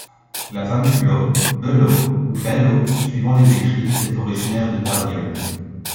La famille Blot, Belot ou Bellot suivant les écrits, était originaire de Darnieulles.